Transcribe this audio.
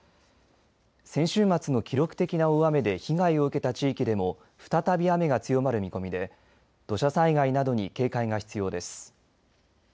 先週末の記録的な大雨で被害を受けた地域でも再び雨が強まる見込みで土砂災害などに警戒が必要です。